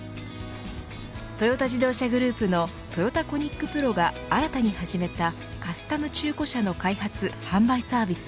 トヨタ自動車グループのトヨタ・コニック・プロが新たに始めたカスタム中古車の開発、販売サービス